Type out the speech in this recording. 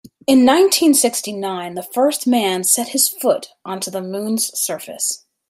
In nineteen-sixty-nine the first man set his foot onto the moon's surface.